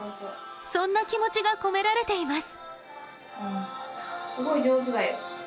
そんな気持ちが込められています。